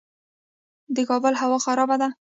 د کابل هوا خرابه ده